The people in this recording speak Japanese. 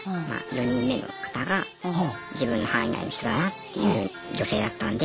４人目の方が自分の範囲内の人だなっていう女性だったんで。